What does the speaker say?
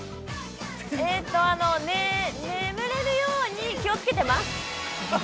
◆ええっと、眠れるように、気をつけてます。